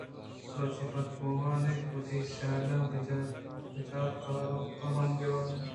بلوچی وت بوان اِت ءُ وتی سْیاد ءُ پجاروکاں ھم بہ وانین اِت۔